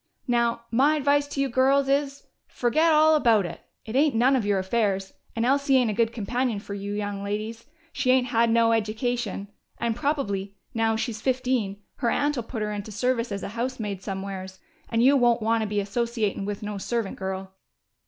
Now, my advice to you girls is: fergit all about it! It ain't none of your affairs, and Elsie ain't a good companion fer you young ladies. She ain't had no eddication, and probably, now she's fifteen, her aunt'll put her into service as a housemaid somewheres. And you won't want to be associatin' with no servant girl!"